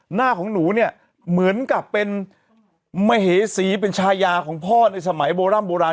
หน้าของหนูเนี่ยเหมือนกับเป็นมเหสีเป็นชายาของพ่อในสมัยโบร่ำโบราณ